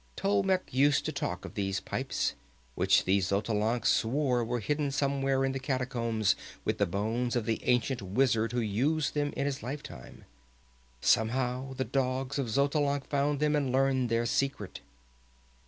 Tolkemec used to talk of these pipes, which the Xuchotlans swore were hidden somewhere in the catacombs with the bones of the ancient wizard who used them in his lifetime. Somehow the dogs of Xotalanc found them and learned their secret."